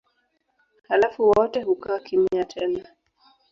Halafu wote hukaa kimya tena.